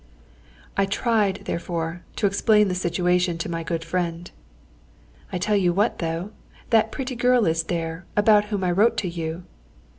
I tried, therefore, to explain the situation to my good friend. "I tell you what, though; that pretty girl is there about whom I wrote to you."